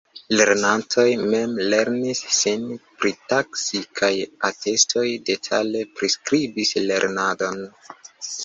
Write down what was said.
Lernantoj mem lernis sin pritaksi kaj atestoj detale priskribis lernadon.